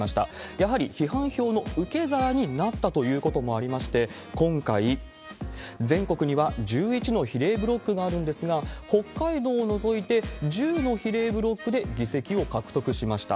やはり批判票の受け皿になったということもありまして、今回、全国には１１の比例ブロックがあるんですが、北海道を除いて１０の比例ブロックで議席を獲得しました。